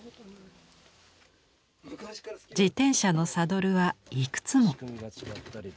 自転車のサドルはいくつも。